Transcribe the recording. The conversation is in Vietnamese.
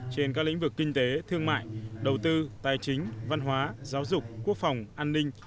trên các lĩnh vực kinh tế thương mại đầu tư tài chính văn hóa giáo dục quốc phòng an ninh